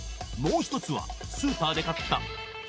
もう一つはスーパーで買った１００ｇ